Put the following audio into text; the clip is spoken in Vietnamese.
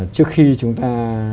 trước khi chúng ta